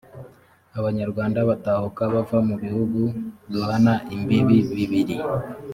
abanyarwanda batahuka bava mu bihugu duhana imbibi bibiri